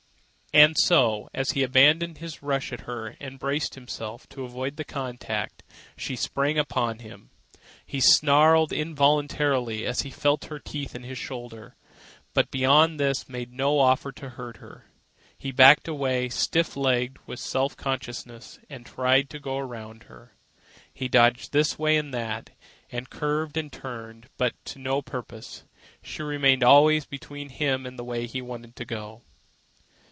And so, as he abandoned his rush at her and braced himself to avoid the contact, she sprang upon him. He snarled involuntarily as he felt her teeth in his shoulder, but beyond this made no offer to hurt her. He backed away, stiff legged with self consciousness, and tried to go around her. He dodged this way and that, and curved and turned, but to no purpose. She remained always between him and the way he wanted to go.